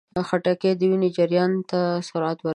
خټکی د وینې جریان ته سرعت ورکوي.